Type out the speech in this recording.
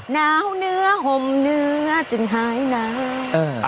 หนาวเนื้อห่มเนื้อจึงหายหนาว